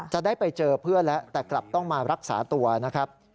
จะได้ไปเจอเพื่อนแล้วแต่กลับต้องมารักษาตัวนะครับ